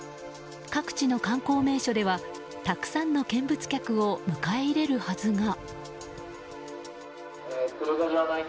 各地の観光名所ではたくさんの見物客を迎え入れるはずが。